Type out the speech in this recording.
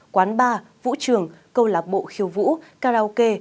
quán bar vũ trường câu lạc bộ khiêu vũ karaoke